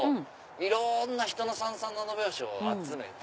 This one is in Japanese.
いろんな人の三三七拍子を集めて。